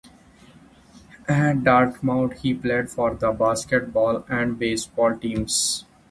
At Dartmouth he played for the basketball and baseball teams.